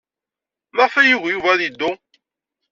Maɣef ay yugi Yuba ad yeddu?